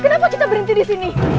kenapa kita berhenti disini